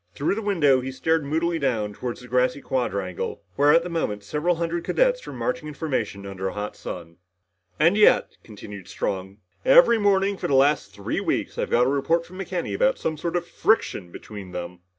Through the window, he stared down moodily toward the grassy quadrangle, where at the moment several hundred cadets were marching in formation under a hot sun. " And yet," continued Strong, "every morning for the last three weeks I've got a report from McKenny about some sort of friction between them!"